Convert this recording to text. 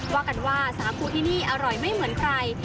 ว่ากันว่าสาคูที่นี่อร่อยไม่เหมือนใคร